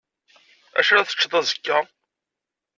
D acu ara teččeḍ azekka?